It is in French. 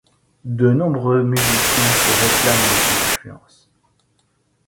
De nombreux musiciens se réclament de son influence.